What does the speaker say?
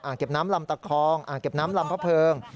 เก็บน้ำลำตะคองอ่างเก็บน้ำลำพระเพิง